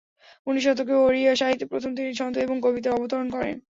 উনিশ শতকের ওড়িয়া সাহিত্যে প্রথম তিনি ছন্দ এবং কবিতার অবতরণ করেন।